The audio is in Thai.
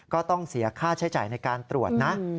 ก็ต้องเสียค่าใช้จ่ายในการตรวจนะ